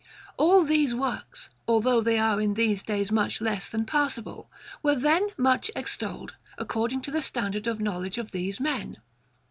All these works, although they are in these days much less than passable, were then much extolled, according to the standard of knowledge of these men.